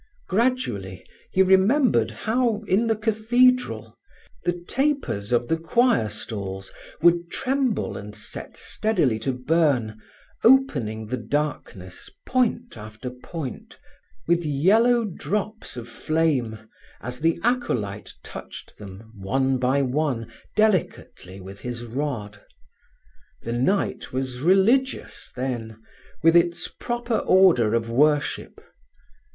Gradually he remembered how, in the cathedral, the tapers of the choir stalls would tremble and set steadily to burn, opening the darkness point after point with yellow drops of flame, as the acolyte touched them, one by one, delicately with his rod. The night was religious, then, with its proper order of worship.